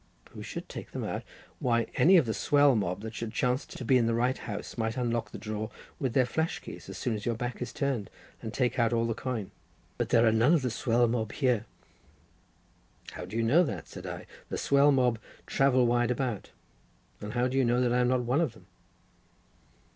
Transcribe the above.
"Who should take them out? Why, any of the swell mob, that should chance to be in the house, might unlock the drawer with their flash keys as soon as your back is turned, and take out all the coin." "But there are none of the swell mob here." "How do you know that?" said I; "the swell mob travel wide about—how do you know that I am not one of them?"